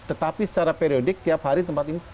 tetapi secara periodik tiap hari tempat ini